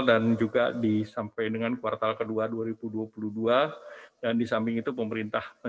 dan juga disampai dengan kuartal kedua dua ribu dua puluh dua dan di samping itu pemerintah